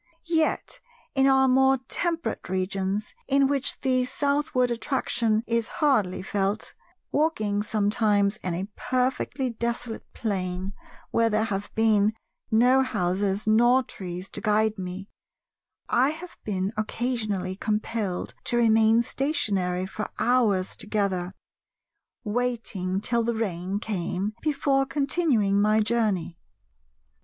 Yet in our more temperate regions, in which the southward attraction is hardly felt, walking sometimes in a perfectly desolate plain where there have been no houses nor trees to guide me, I have been occasionally compelled to remain stationary for hours together, waiting till the rain came before continuing my journey.